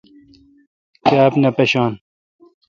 کاب نہ پشان۔